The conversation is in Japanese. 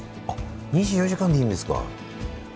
２４時間でいいんですか。